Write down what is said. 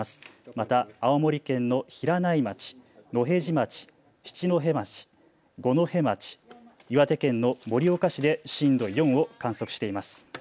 また青森県の平内町、野辺地町、七戸町、五戸町、岩手県の盛岡市で震度４を観測しています。